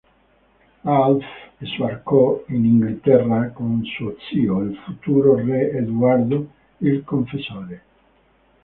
Ralph sbarcò in Inghilterra con suo zio, il futuro re Edoardo il Confessore.